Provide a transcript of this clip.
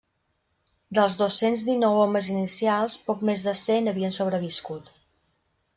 Dels dos-cents dinou homes inicials, poc més de cent havien sobreviscut.